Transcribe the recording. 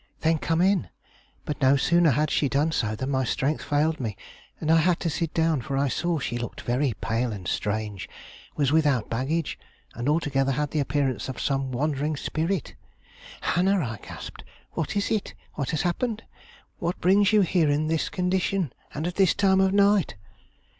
'Then come in.' But no sooner had she done so than my strength failed me, and I had to sit down, for I saw she looked very pale and strange, was without baggage, and altogether had the appearance of some wandering spirit. 'Hannah!' I gasped, 'what is it? what has happened? what brings you here in this condition and at this time of night?